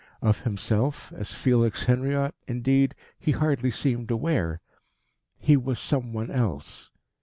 Of himself, as Felix Henriot, indeed, he hardly seemed aware. He was some one else.